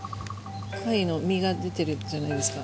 貝の身が出てるじゃないですか。